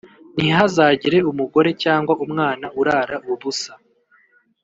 ntihazagire umugore cyangwa umwana urara ubusa